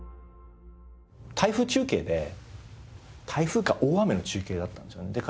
台風中継で台風か大雨の中継だったんですよね。